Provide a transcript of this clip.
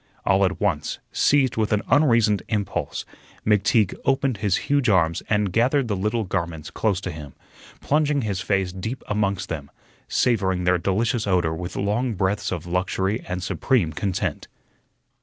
All at once, seized with an unreasoned impulse, McTeague opened his huge arms and gathered the little garments close to him, plunging his face deep amongst them, savoring their delicious odor with long breaths of luxury and supreme content.